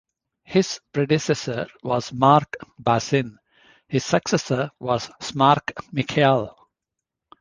His predecessor was Marc Bazin; his successor was Smarck Michel.